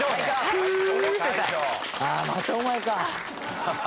ああまたお前か。